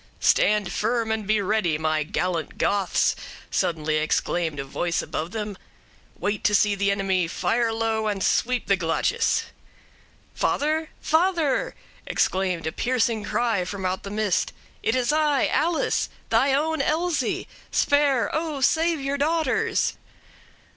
"'Stand firm and be ready, my gallant 60ths!' suddenly exclaimed a voice above them; wait to see the enemy; fire low, and sweep the glacis.' "'Father? father!' exclaimed a piercing cry from out the mist; 'it is I! Alice! thy own Elsie! spare, O! save your daughters!'